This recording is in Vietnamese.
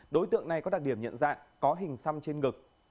đối tượng này có đặc điểm nhận dạng có hình xăm trên gực